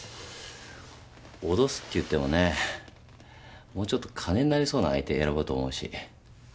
脅すっていってもねもうちょっと金になりそうな相手選ぶと思うし。